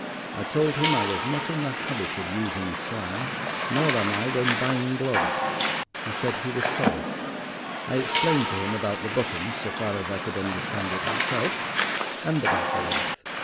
I told him I was not in the habit of using slang. Nor am I when buying gloves. He said he was sorry. I explained to him about the buttons, so far as I could understand it myself, and about the length.